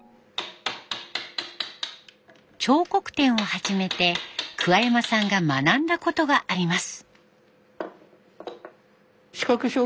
彫刻展を始めて山さんが学んだことがあります。